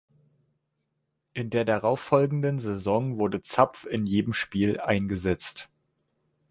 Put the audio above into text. In der darauffolgenden Saison wurde Zapf in jedem Spiel eingesetzt.